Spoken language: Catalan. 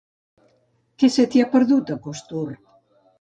Què se t'hi ha perdut, a Costur?